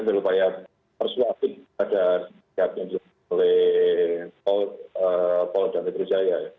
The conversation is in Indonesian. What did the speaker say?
terupaya persuasi pada siapkan oleh polo dato' rizaya